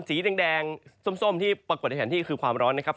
สีแดงส้มที่ปรากฏในแผนที่คือความร้อนนะครับ